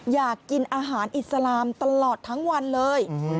อยากกินอาหารอิสลามตลอดทั้งวันเลย